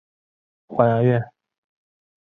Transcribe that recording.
母亲是华阳院。